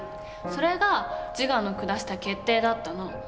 それがジガの下した決定だったの。